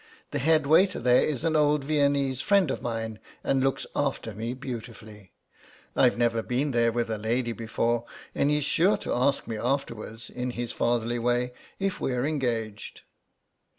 The head waiter there is an old Viennese friend of mine and looks after me beautifully. I've never been there with a lady before, and he's sure to ask me afterwards, in his fatherly way, if we're engaged."